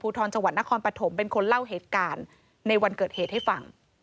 ทรจังหวัดนครปฐมเป็นคนเล่าเหตุการณ์ในวันเกิดเหตุให้ฟัง